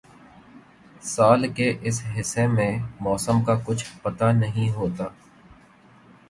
سال کے اس حصے میں موسم کا کچھ پتا نہیں ہوتا